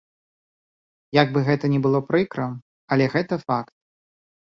Як бы гэта ні было прыкра, але гэта факт.